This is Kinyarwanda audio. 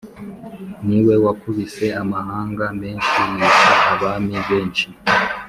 Ni we wakubise amahanga menshi yica abami benshi